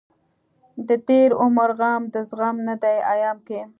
دتېر عمر غم دزغم نه دی ايام کې